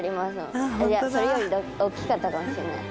それよりおっきかったかもしれない。